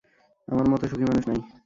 আমার মতো সুখী মানুষ নাই।